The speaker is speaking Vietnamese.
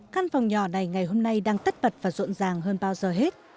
căn phòng nhỏ này ngày hôm nay đang tất bật và rộn ràng hơn bao giờ hết